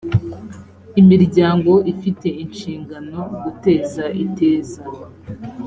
imiryango ifite inshingano guteza iteza